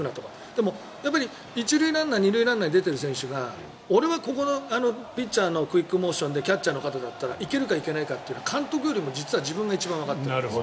でも、１塁ランナー２塁ランナーに出ている選手がここ、ピッチャーのクイックモーションでキャッチャーの方だったら行けるかいけないかは監督よりも実は自分が一番わかってるんです。